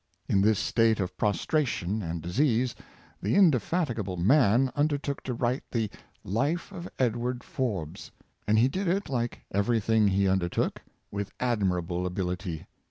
In this state of prostration and disease, the indefatigable man under took to write the " Life of Edward Forbes; " and he did it, like every thing he undertook, with admirable ability.